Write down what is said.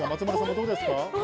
どうですか？